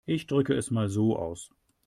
Ich drücke es mal so aus.